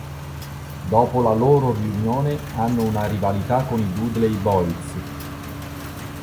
Dopo la loro riunione hanno una rivalità con i Dudley Boyz.